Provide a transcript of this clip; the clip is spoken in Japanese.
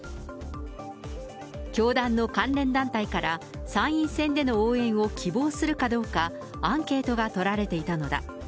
教団の関連団体から、参院選での応援を希望するかどうか、アンケートが取られていたのだ。